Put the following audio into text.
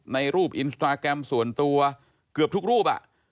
ในรูปอินสตราแกรมส่วนตัวเกือบทุกรูป